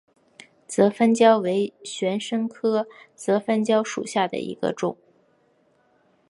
泽番椒为玄参科泽番椒属下的一个种。